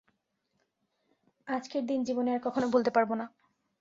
আজকের দিন জীবনে আর কখনো ভুলতে পারব না।